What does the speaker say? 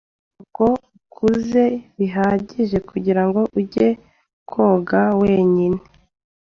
Ntabwo ukuze bihagije kugirango ujye koga wenyine.